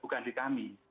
bukan di kami